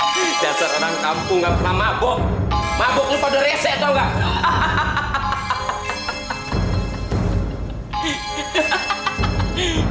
hahaha dasar orang kampung gak pernah mabok mabok lu pada rese tau gak hahaha